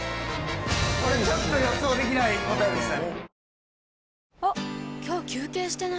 これちょっと予想できない答えでした。